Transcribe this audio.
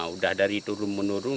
udah dari turun menurun